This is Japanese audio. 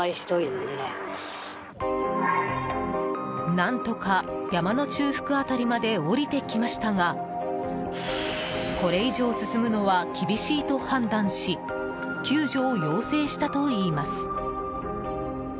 何とか山の中腹辺りまで下りてきましたがこれ以上進むのは厳しいと判断し救助を要請したといいます。